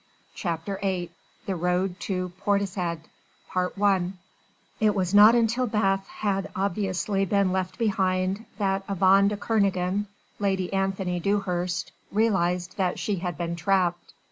CHAPTER VIII THE ROAD TO PORTISHEAD I It was not until Bath had very obviously been left behind that Yvonne de Kernogan Lady Anthony Dewhurst realised that she had been trapped.